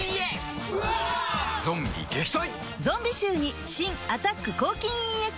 ゾンビ臭に新「アタック抗菌ＥＸ」